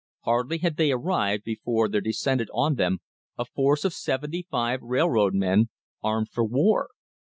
Hardly had they arrived before there descended on them a force of seventy five rail road men armed for war.